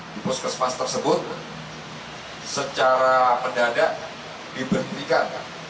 di puskesmas tersebut secara pendadak diberikan